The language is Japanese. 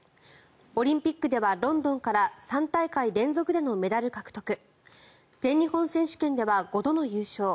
オリンピックではロンドンから３大会連続でのメダル獲得全日本選手権では５度の優勝